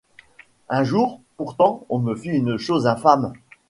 Un jour, pourtant, on me fit une chose infâme.